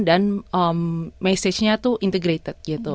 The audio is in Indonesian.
dan message nya itu integrated gitu